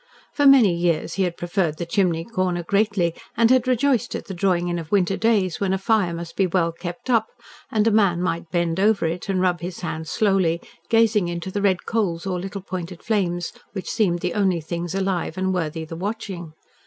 For many years he had preferred the chimney corner greatly, and had rejoiced at the drawing in of winter days when a fire must be well kept up, and a man might bend over it, and rub his hands slowly gazing into the red coals or little pointed flames which seemed the only things alive and worthy the watching.